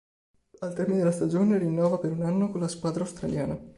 Al termine della stagione rinnova per un anno con la squadra australiana.